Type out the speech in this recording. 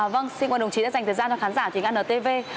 vâng xin mời đồng chí dành thời gian cho khán giả trên antv